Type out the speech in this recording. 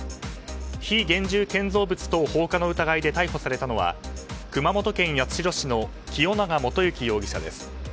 非現住建造物等放火の疑いで逮捕されたのは熊本県八代市の清永基之容疑者です。